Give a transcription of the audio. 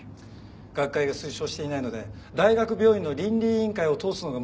学会が推奨していないので大学病院の倫理委員会を通すのが難しいんです。